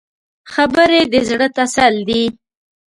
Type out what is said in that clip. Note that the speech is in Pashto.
خبرې د زړه تسل دي